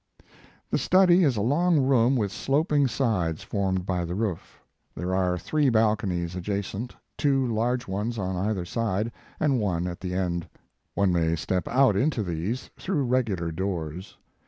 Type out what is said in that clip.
The study is a long room with sloping sides formed by the roof. There are three balconies adjacent, two large ones on either side, and one at the end. One may step out into these through regular doors.